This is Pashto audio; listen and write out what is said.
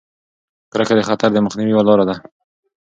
کرکه د خطر د مخنیوي یوه لاره ده.